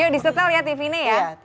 yuk sini sini sini